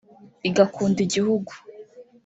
igakunda igihugu